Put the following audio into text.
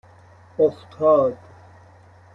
افتاد